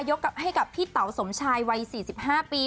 ให้กับพี่เต๋าสมชายวัย๔๕ปี